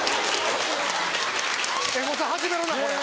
エゴサ始めるなこれ。